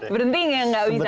berhenti gak bisa ya